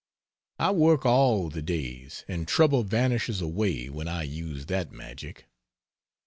I work all the days, and trouble vanishes away when I use that magic.